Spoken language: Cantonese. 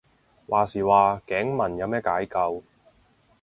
話時話頸紋有咩解救